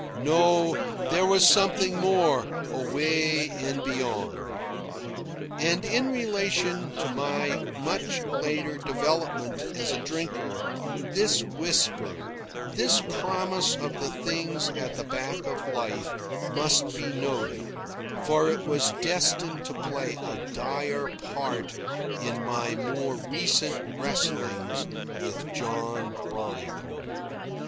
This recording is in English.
No; there was something more, away and beyond. (And, in relation to my much later development as a drinker, this whisper, this promise of the things at the back of life, must be noted, for it was destined to play a dire part in my more recent wrestlings with John Barleycorn.)